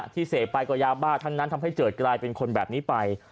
เสพไปก็ยาบ้าทั้งนั้นทำให้เกิดกลายเป็นคนแบบนี้ไป